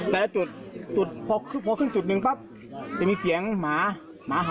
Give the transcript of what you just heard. แต่จุดพกขึ้นจุดนึงปั๊บจะมีเสียงหมาห่อ